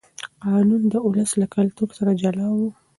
قانون د ولس له کلتوره جلا و.